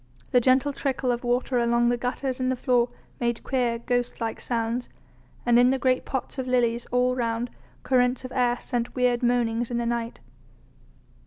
The gentle trickle of water along the gutters in the floor made queer, ghost like sounds, and in the great pots of lilies all round currents of air sent weird moanings in the night.